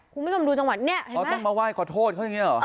คุณไม่ทำดูจังหวัดเนี่ยเห็นไหมอ๋อต้องมาไหว้ขอโทษเขาอย่างเงี้ยเหรอ